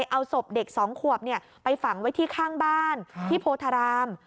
เพราะว่าสวบเด็กสองขวบไปฝังไว้ที่ข้างบ้านที่โพธาราม